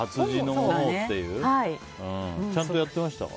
ちゃんとやってましたか？